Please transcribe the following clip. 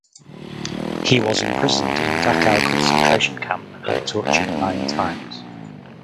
He was imprisoned in Dachau Concentration Camp and tortured nine times.